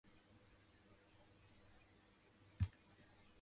わたしの身体は全てスイーツで構成されています